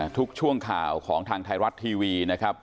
ทุกช่วงข่าวของทางไทยรัฐทีวีนะครับ